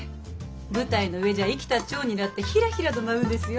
舞台の上じゃ生きた蝶になってひらひらと舞うんですよ。